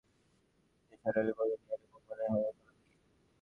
নিসার আলি বললেন, এই রকম মনে হওয়ার কারণ কি?